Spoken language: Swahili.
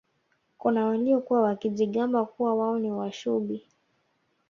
kuna waliokuwa wakijigamba kuwa wao ni Washubi